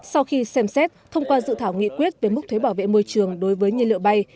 sau khi xem xét thông qua dự thảo nghị quyết về mức thuế bảo vệ môi trường đối với nhân liệu bay